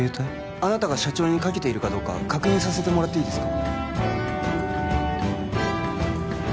あなたが社長にかけているか確認させてもらっていいですか？